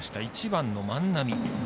１番の万波。